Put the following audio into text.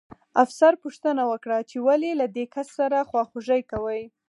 افسر پوښتنه وکړه چې ولې له دې کس سره خواخوږي کوئ